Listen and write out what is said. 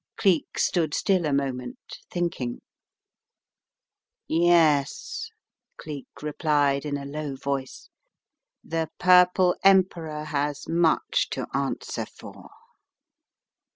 Cleek stood still a moment, thinking. A Terrible Discovery 127 "Yes/* Cleek replied in a low voice. "The Purple Emperor has much to answer for."